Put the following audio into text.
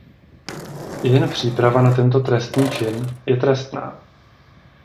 I jen příprava na tento trestný čin je trestná.